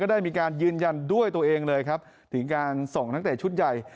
ได้มีการยืนยันด้วยตัวเองเลยครับถึงการส่งนักเตะชุดใหญ่